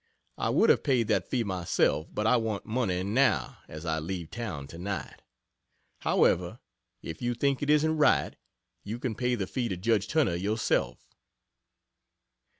I would have paid that fee myself, but I want money now as I leave town tonight. However, if you think it isn't right, you can pay the fee to judge Turner yourself.